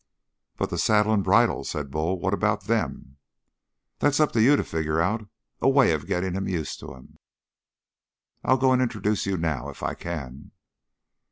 "But the saddle and the bridle?" said Bull. "What about them?" "That's up to you to figure out a way of getting him used to 'em. I'll go introduce you now, if I can."